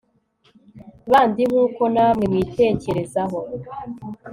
bandi nk uko namwe mwitekerezaho